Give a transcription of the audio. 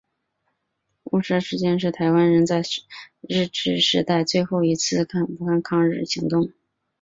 雾社事件是台湾人在日治时代最后一次武装抗日行动。